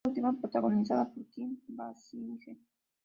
Esta última protagonizada con Kim Basinger.